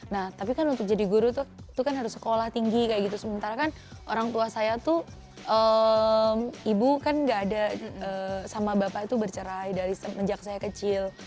nah tapi kan untuk jadi guru tuh kan harus sekolah tinggi kayak gitu sementara kan orang tua saya tuh ibu kan gak ada sama bapak itu bercerai dari semenjak saya kecil